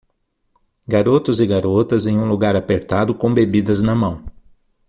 Garotos e garotas em um lugar apertado com bebidas na mão.